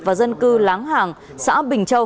và dân cư láng hàng xã bình châu